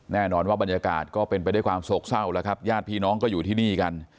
แน่นอนว่าบรรยากาศก็เป็นไปด้วยความโศกเศร้าแล้วครับญาติพี่น้องก็อยู่ที่นี่กัน